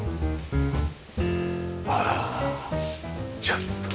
あらちょっと。